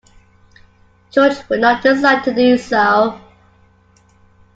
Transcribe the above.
George would not decide to do so.